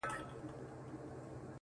o عالم پر څه دئ، مير عالم پر څه دئ.